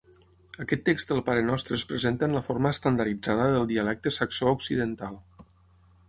Aquest text del Pare Nostre es presenta en la forma estandarditzada del dialecte saxó occidental.